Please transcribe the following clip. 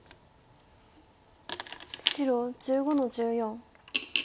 白１５の十四。